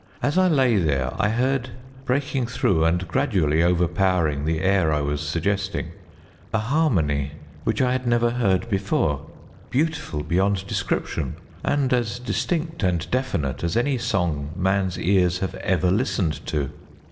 As I lay there I heard, breaking through and gradually overpowering the air I was suggesting, a harmony which I had never heard before, beautiful beyond description, and as distinct and definite as any song man's ears have ever listened to.